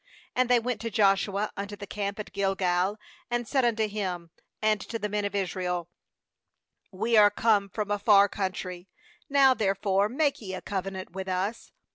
6And they went to Joshua unto the camp at Gilgal, and said unto him, and to the men of Israel: 'We are come from a far country; now therefore make ye a covenant with us.'